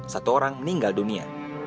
satu orang meninggal dunia